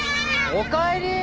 おかえり。